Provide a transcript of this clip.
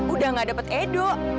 udah gak dapet edo